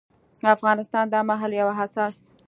افغانستان دا مهال له يو حساس